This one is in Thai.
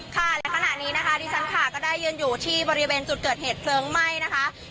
ค่ะและขณะนี้นะคะดิฉันค่ะก็ได้ยืนอยู่ที่บริเวณจุดเกิดเหตุเพลิงไหม้นะคะ